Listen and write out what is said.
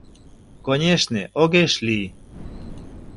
— Конешне, огеш лий.